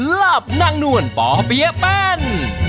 หลับนางนวลป่อเปี๊ยะแป้น